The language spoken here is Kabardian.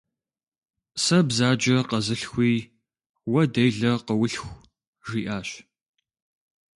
«Сэ бзаджэ къэзылъхуи, уэ делэ къыулъху», - жиӀащ.